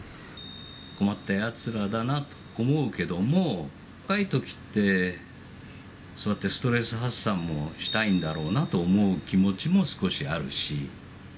困ったやつらだなと思うけども、若いときって、そうやってストレス発散をしたいんだろうなと思う気持ちも少しあるし。